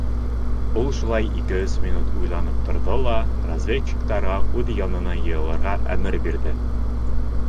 Ул шулай ике-өс минут уйланып торҙо ла, разведчиктарға үҙ янына йыйылырға әмер бирҙе.